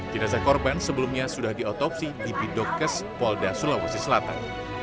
jenazah korban sebelumnya sudah diotopsi di bidokes polda sulawesi selatan